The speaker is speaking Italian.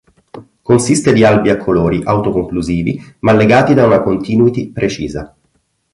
Consiste di albi a colori autoconclusivi ma legati da una continuity precisa.